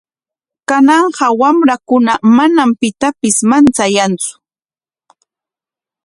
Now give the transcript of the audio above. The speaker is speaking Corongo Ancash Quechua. Kananqa wamrakuna manam pitapis manchayantsu.